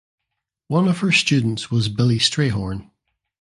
One of her students was Billy Strayhorn.